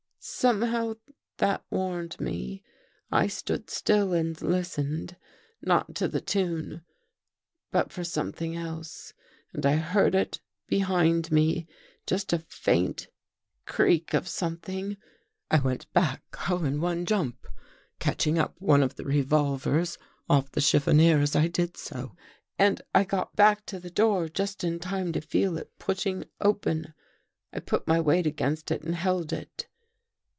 Somehow that warned me. I stood still and listened — not to the tune, but for something else and I heard it behind me — just a faint creak of something. " I went back all in one jump, catching up one of the revolvers off the chiffonier as I did so, and I got back to the door just in time to feel it push ing open. I put my weight against it and held it.